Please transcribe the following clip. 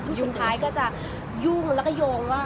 สุดท้ายก็จะยุ่งแล้วก็โยงว่า